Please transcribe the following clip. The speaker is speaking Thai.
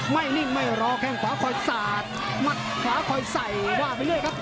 นิ่งไม่รอแข้งขวาคอยสาดมัดขวาคอยใส่ว่าไปเรื่อยครับ